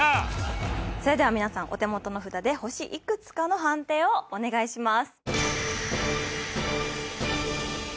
それでは皆さんお手元の札で星いくつかの判定をお願いします。